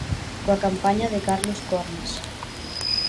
Coa compaña de Carlos Cornes.